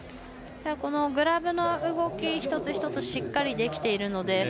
グラブの動き一つ一つしっかりできているので。